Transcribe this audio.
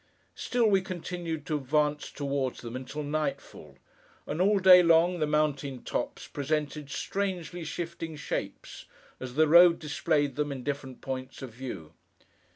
Still, we continued to advance toward them until nightfall; and, all day long, the mountain tops presented strangely shifting shapes, as the road displayed them in different points of view.